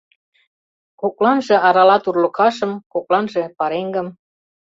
Кокланже аралат урлыкашым, кокланже — пареҥгым.